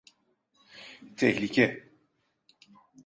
Tehlike!